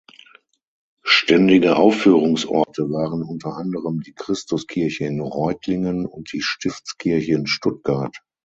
Ständige Aufführungsorte waren unter anderem die Christuskirche in Reutlingen und die Stiftskirche in Stuttgart.